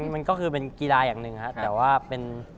มันก็คือเป็นกีฬาอย่างหนึ่งครับแต่ว่าเป็น